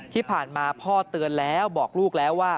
ที่ผ่านมาพ่อเตือนแล้วบอกลูกแล้วว่า